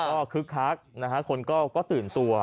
ก็คึกคักคนก็ตื่นตัว